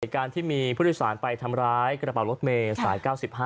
การที่มีผู้โดยสารไปทำร้ายกระเป๋ารถเมย์สาย๙๕